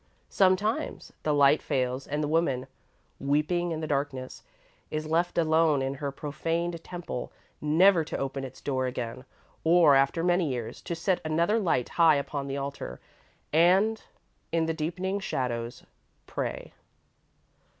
Sometimes the light fails and the woman, weeping in the darkness, is left alone in her profaned temple, never to open its door again, or, after many years, to set another light high upon the altar, and, in the deepening shadows, pray.